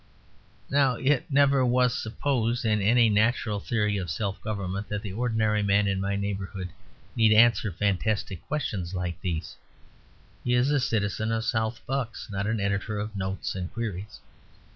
Now, it never was supposed in any natural theory of self government that the ordinary man in my neighbourhood need answer fantastic questions like these. He is a citizen of South Bucks, not an editor of 'Notes and Queries'.